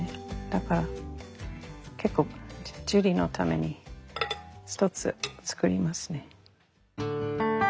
だから結構ジュリのために一つつくりますね。